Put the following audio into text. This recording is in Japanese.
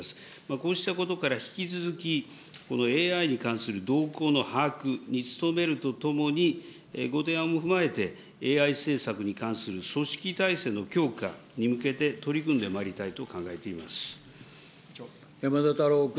こうしたことから、引き続きこのＡＩに関する動向の把握に努めるとともに、ご提案も踏まえて、ＡＩ政策に関する組織体制の強化に向けて取り組んでまいりたいと山田太郎君。